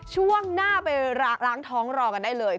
ช่วงหน้าไปล้างท้องรอกันได้เลย